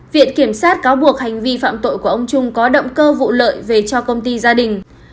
viện kiểm sát cáo buộc hành vi phạm tội của ông trung có động cơ vụ lợi về cho công ty gia đình